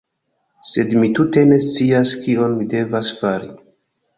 Sed mi tute ne scias kion mi devas fari